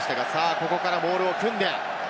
ここからモールを組んで。